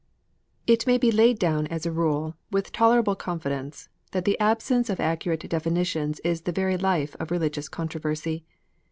IT may be Laid down as a rule, with tolerable confidence, that the absence of accurate definitions is the very life of religious controversy.